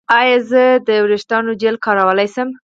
ایا زه د ویښتو جیل کارولی شم؟